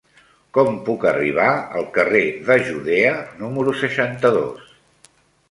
Com puc arribar al carrer de Judea número seixanta-dos?